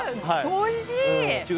おいしい！